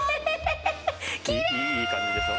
いい感じでしょ？